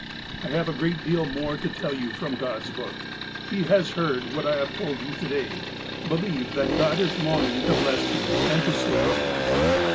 " I have a great deal more to tell you from God's Book. He has heard what I have told you to day. Believe that God is longing to bless you, and to save you."